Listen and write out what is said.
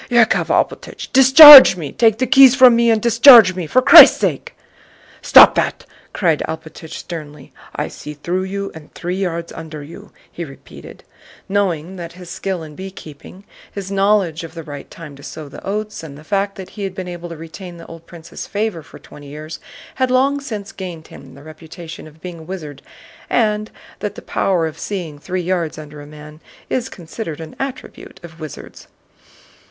"Yákov Alpátych, discharge me! Take the keys from me and discharge me, for Christ's sake!" "Stop that!" cried Alpátych sternly. "I see through you and three yards under you," he repeated, knowing that his skill in beekeeping, his knowledge of the right time to sow the oats, and the fact that he had been able to retain the old prince's favor for twenty years had long since gained him the reputation of being a wizard, and that the power of seeing three yards under a man is considered an attribute of wizards.